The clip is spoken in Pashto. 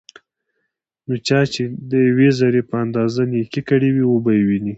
نو چا چې دیوې ذرې په اندازه نيکي کړي وي، وبه يې ويني